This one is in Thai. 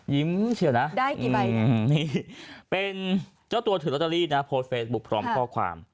เฉียวนะได้กี่ใบนี่เป็นเจ้าตัวถือลอตเตอรี่นะโพสต์เฟซบุ๊คพร้อมข้อความ